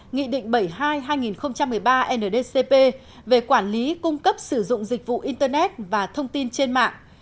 nghị định bảy mươi hai hai nghìn một mươi ba ndcp về quản lý cung cấp sử dụng dịch vụ internet và thông tin trên mạng